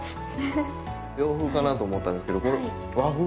洋風かなと思ったんですけどこれ和風なんですね。